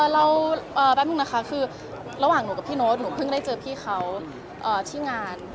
เราแป๊บนึงนะคะคือระหว่างหนูกับพี่โน๊ตหนูเพิ่งได้เจอพี่เขาที่งาน